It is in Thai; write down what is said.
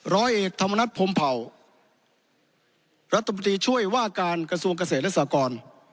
ร้อยเอกธรรมนัฐพรมเผ่ารัฐมนตรีช่วยว่าการกระทรวงเกษตรและสากร